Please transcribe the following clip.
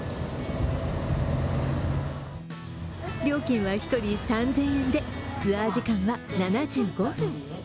料金は１人３０００円で、ツアー時間は７５分。